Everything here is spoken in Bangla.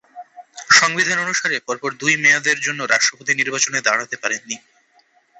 সংবিধান অনুসারে পরপর দুই মেয়াদের জন্য রাষ্ট্রপতি নির্বাচনে দাঁড়াতে পারেন নি।